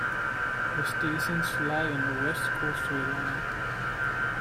The stations lie on the West Coastway Line.